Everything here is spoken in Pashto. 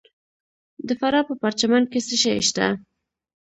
د فراه په پرچمن کې څه شی شته؟